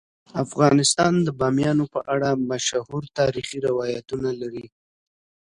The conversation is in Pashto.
افغانستان د بامیان په اړه مشهور تاریخی روایتونه لري.